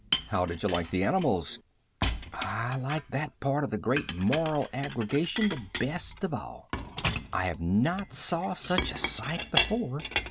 "How did you like the animals?" "I liked that part of the Great Moral Aggregation the best of all. I have not saw such a sight before.